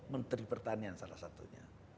menteri pertanian salah satunya